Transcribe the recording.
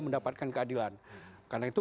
mendapatkan keadilan karena itu